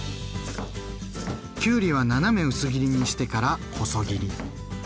きゅうりは斜め薄切りにしてから細切り。